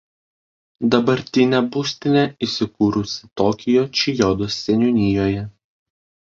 Dabartinė būstinė įsikūrusi Tokijo Čijodos seniūnijoje.